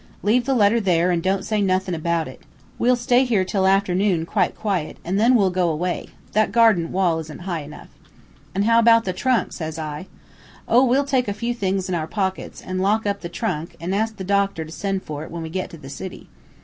Leave the letter there, an' don't say nothin' about it. We'll stay here till afternoon quite quiet, an' then we'll go away. That garden wall isn't high.' "'An' how about the trunk?' says I. "'Oh, we'll take a few things in our pockets, an' lock up the trunk, an' ask the doctor to send for it when we get to the city.'